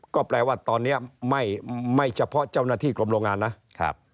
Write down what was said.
ก็แปลว่าตอนนี้ไม่เฉพาะเจ้าหน้าที่กรมโรงงานนะครับ